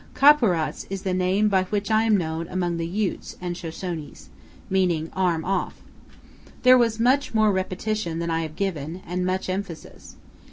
Ka'purats is the name by which I am known among the Utes and Shoshones, meaning "arm off." There was much more repetition than I have given, and much emphasis.